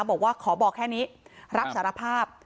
บอกว่าขอบอกแค่นี้รับสารภาพ